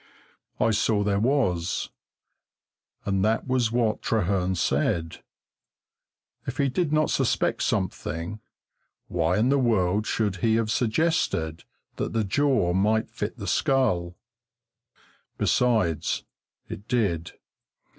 I saw there was, and that was what Trehearn said. If he did not suspect something, why in the world should he have suggested that the jaw might fit the skull? Besides, it did.